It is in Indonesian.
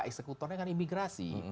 eksekutornya kan imigrasi